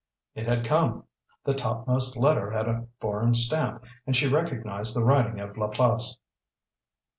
It had come! The topmost letter had a foreign stamp, and she recognised the writing of Laplace.